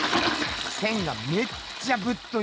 線がめっちゃぶっといし。